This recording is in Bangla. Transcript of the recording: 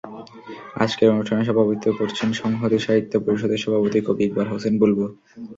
আজকের অনুষ্ঠানে সভাপতিত্ব করছেন সংহতি সাহিত্য পরিষদের সভাপতি কবি ইকবাল হোসেন বুলবুল।